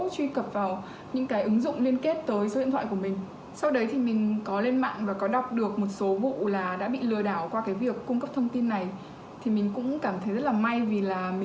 chiến quyền quản trị